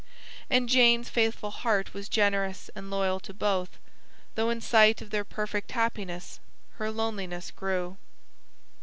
And Jane's faithful heart was generous and loyal to both, though in sight of their perfect happiness her loneliness grew.